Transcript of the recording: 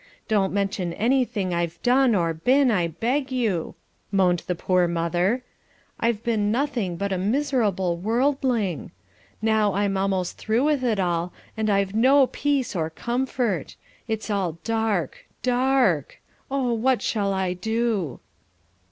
Don't mention anything I've done or been, I beg you," moaned the poor mother. "I've been nothing but a miserable worldling. Now I'm almost through with it all, and I've no peace or comfort. It's all dark, dark. O what shall I do?"